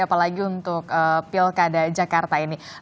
apalagi untuk pilkada jakarta ini